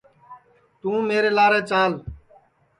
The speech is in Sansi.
توں میرے لارے چال